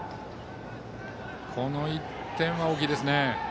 この１点は大きいですね。